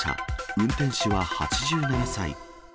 運転手は８７歳。